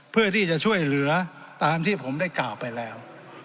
เพื่อที่จะช่วยเหลือตามที่ผมได้กล่าวไปแล้ว